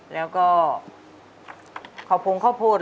และก็ขาวโพงข้อพูด